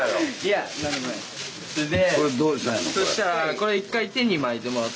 これ一回手に巻いてもらって。